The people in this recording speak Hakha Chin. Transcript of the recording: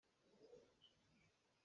Ngakchia thlimnak bawm.